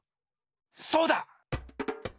そうだ！